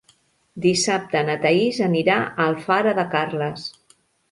Dissabte na Thaís anirà a Alfara de Carles.